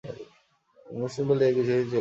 মধুসূদন বললে, এ কিছুতেই চলবে না।